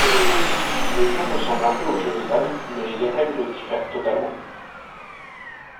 Le jeu ressemble un peu au jeu de dames, mais les règles diffèrent totalement.